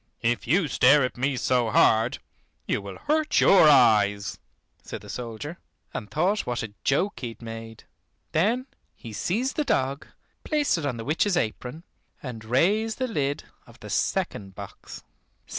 "If you stare at me so hard, you will hurt your eyes," said the soldier, and thought what a joke he had made. Then he seized the dog, placed it on the witch's apron, and raised the lid of the second box.